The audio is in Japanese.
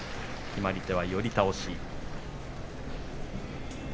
決まり手は寄り倒し。